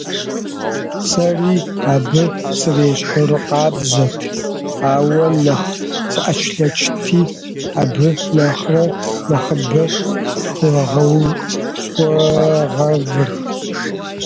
Сэри абы срещхьыркъабзэт, ауэ нэхъ сыӀэчлъэчти, абы нэхърэ нэхъыбэ схуэгъэвырт.